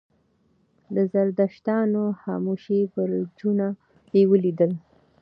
د زردشتانو خاموشه برجونه یې ولیدل.